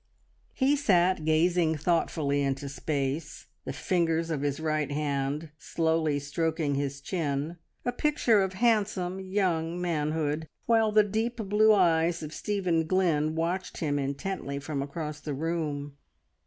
He sat gazing thoughtfully into space, the fingers of his right hand slowly stroking his chin, a picture of handsome, young manhood, while the deep blue eyes of Stephen Glynn watched him intently from across the room.